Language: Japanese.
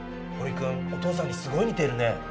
堀くんお父さんにすごい似てるね。